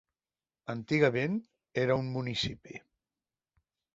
Antigament, era un municipi.